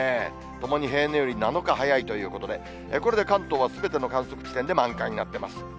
ともに平年より７日早いということで、これで関東はすべての観測地点で満開になっています。